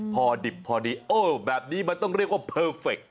พอดิบพอดีโอ้แบบนี้มันต้องเรียกว่าเพอร์เฟค